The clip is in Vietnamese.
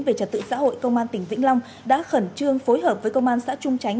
về trật tự xã hội công an tỉnh vĩnh long đã khẩn trương phối hợp với công an xã trung chánh